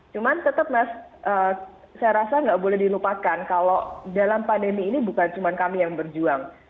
cuman tetap mas saya rasa nggak boleh dilupakan kalau dalam pandemi ini bukan cuma kami yang berjuang